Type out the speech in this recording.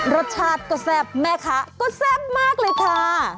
รสชาติก็แซ่บแม่ค้าก็แซ่บมากเลยค่ะ